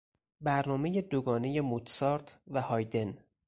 برنامهی دو گانهی موتسارت و هایدن